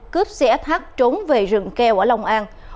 cướp cfh trốn về rừng keo ở lòng an